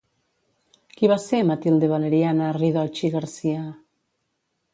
Qui va ser Matilde Valeriana Ridocci Garcia?